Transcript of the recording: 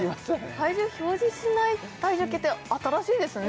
体重表示しない体重計って新しいですね